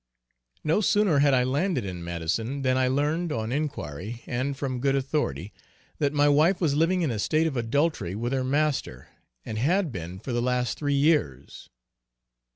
No sooner had I landed in Madison, than I learned, on inquiry, and from good authority, that my wife was living in a state of adultery with her master, and had been for the last three years.